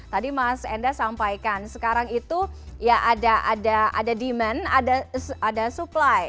tadi mas enda sampaikan sekarang itu ya ada demand ada supply